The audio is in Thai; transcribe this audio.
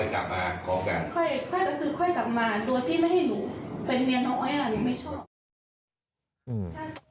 ค่อยก็คือค่อยกลับมาโดยที่ไม่ให้หนูเป็นเมียน้อยหนูไม่ชอบ